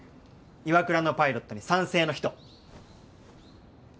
岩倉のパイロットに賛成の人。